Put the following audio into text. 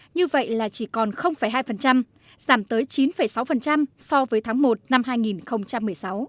như vậy là chỉ còn hai giảm tới chín sáu so với tháng một năm hai nghìn một mươi sáu